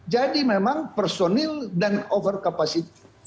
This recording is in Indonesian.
jadi memang personil dan over kapasitas